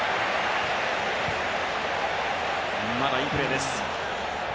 まだインプレーです。